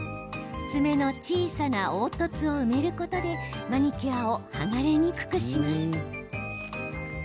爪の小さな凹凸を埋めることでマニキュアを剥がれにくくします。